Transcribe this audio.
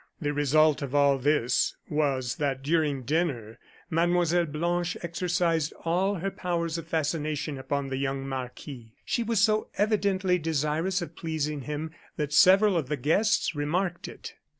The result of all this was that during dinner Mlle. Blanche exercised all her powers of fascination upon the young marquis. She was so evidently desirous of pleasing him that several of the guests remarked it.